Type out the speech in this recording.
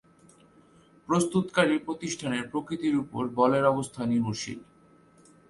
প্রস্তুতকারী প্রতিষ্ঠানের প্রকৃতির উপর বলের অবস্থা নির্ভরশীল।